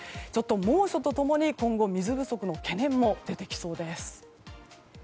猛暑と共に今後、水不足の懸念も出てきそうです。